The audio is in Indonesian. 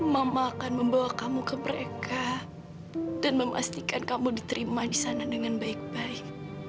mama akan membawa kamu ke mereka dan memastikan kamu diterima di sana dengan baik baik